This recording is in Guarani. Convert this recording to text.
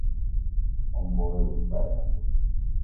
Ombovevúi mba'e'andu.